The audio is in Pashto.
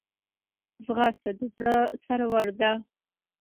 ځغاسته د زړه سرور ده